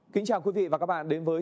kính chào quý vị và các bạn đến với